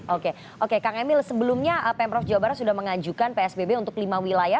oke oke kang emil sebelumnya pemprov jawa barat sudah mengajukan psbb untuk lima wilayah